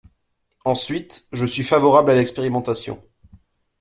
Ensuite, je suis favorable à l’expérimentation.